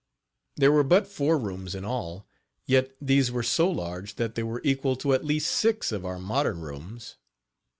There were but four rooms in all, yet these were so large that they were equal to at least six of our modern rooms.